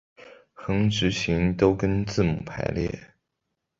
横直行都跟字母排列。